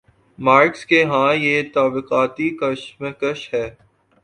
Marks کے ہاں یہ طبقاتی کشمکش ہے۔